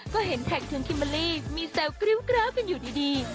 ก็เห็นแขกถึงคิมเบอร์รีมีแซวกริ้วกร้าวขึ้นอยู่ดี